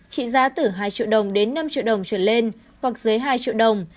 trị giá từ hai triệu đồng đến năm triệu đồng trở lên hoặc dưới hai triệu đồng